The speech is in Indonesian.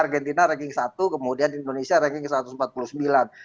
argentina ranking satu kemudian indonesia ranking ke satu ratus empat puluh sembilan